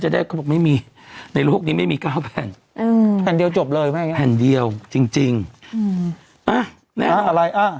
จะได้เขาบอกไม่มีในโลกนี้ไม่มีก้าวแผ่นแผ่นเดียวจบเลยไหมแผ่นเดียวจริงอ่ะอะไรอ่ะ